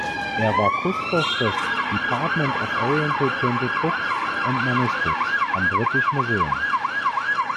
Er war Kustos des "Department of Oriental printed Books and Manuscripts" am British Museum.